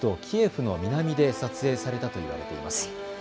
キエフの南で撮影されたといわれています。